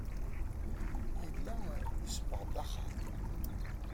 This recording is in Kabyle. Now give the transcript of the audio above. Yella isebbeɣ-d axxam.